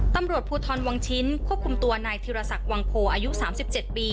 ตำรวจภูทรวังชิ้นควบคุมตัวนายธิรษักวังโพอายุ๓๗ปี